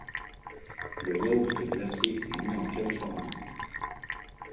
Le yaourt glacé est né en Californie.